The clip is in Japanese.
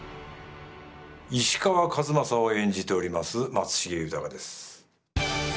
石川数正を演じております松重豊です。